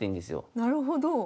なるほど。